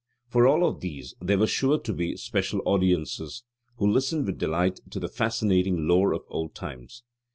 For all of these there were sure to be special audiences who listened with delight to the fascinating lore of old times.